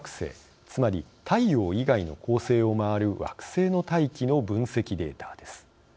つまり太陽以外の恒星を回る惑星の大気の分析データです。